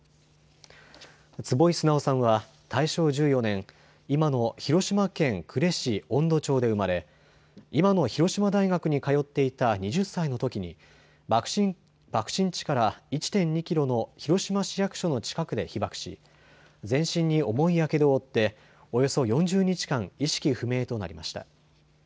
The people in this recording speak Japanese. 坪井直さんは大正１４年、今の広島県呉市音戸町で生まれ今の広島大学に通っていた２０歳のときに爆心地から１．２キロの広島市役所の近くで被爆し全身に重いやけどを負っておよそ４０日間意識不明となりました。